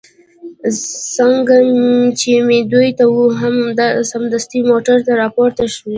څنګه چې مې دوی ته هو وویل، سمدستي موټر ته را پورته شوې.